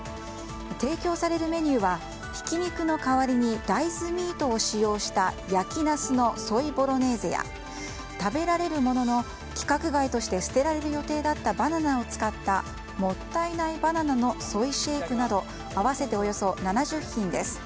提供されるメニューはひき肉の代わりにダイズミートを使用した焼きナスのソイボロネーゼや食べられるものの、規格外として捨てられる予定だったバナナを使ったもったいないバナナのソイシェイクなど合わせて、およそ７０品です。